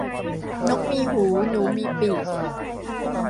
นกมีหูหนูมีปีก